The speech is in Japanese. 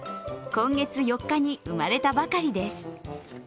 今月４日に生まれたばかりです。